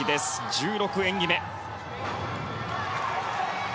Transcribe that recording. １６演技目。